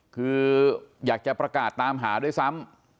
คืออยากจะประกาศตามหาด้วยซ้ำ